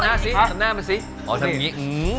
หั๊วจิ๊กี้